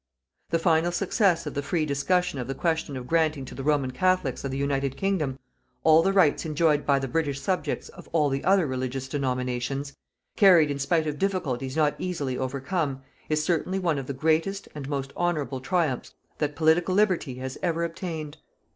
The final success of the free discussion of the question of granting to the Roman Catholics of the United Kingdom all the rights enjoyed by the British subjects of all the other religious denominations, carried in spite of difficulties not easily overcome, is certainly one of the greatest and most honorable triumphs that Political Liberty has ever obtained.